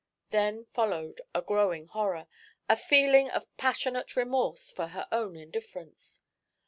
Then followed a growing horror, a feeling of passionate remorse for her own indifference.